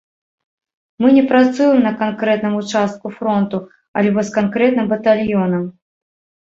Мы не працуем на канкрэтным участку фронту альбо з канкрэтным батальёнам.